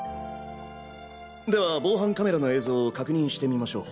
では防犯カメラの映像を確認してみましょう。